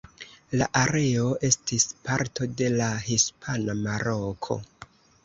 La areo estis parto de la Hispana Maroko.